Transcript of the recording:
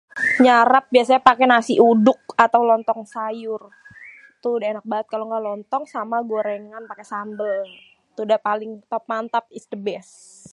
Nyarap biasanya pake nasi uduk atau lontong sayur. Itu udah enak bat, kalo nggak lontong sama gorengan pake sambel, ntu udah paling top, mantap, is the best.